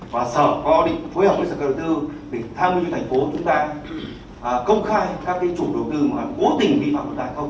và sở có định phối hợp với sở cơ đầu tư để tham lưu cho thành phố chúng ta công khai các chủ đầu tư mà cố tình vi phạm lúc này không